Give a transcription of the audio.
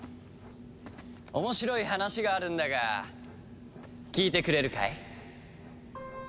面白い話があるんだが聞いてくれるかい？